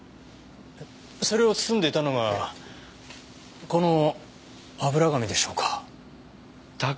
それを包んでいたのがこの油紙でしょうか？